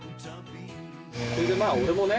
それでまあ俺もね